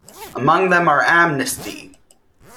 Among them are Amnesty!